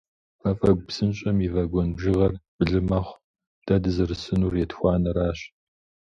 Мафӏэгу псынщӏэм и вагон бжьыгъэр блы мэхъу, дэ дызэрысынур етхуанэращ.